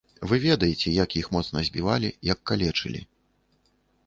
Вы ведаеце, як іх моцна збівалі, як калечылі.